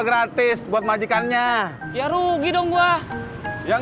gak usah dibenerin bang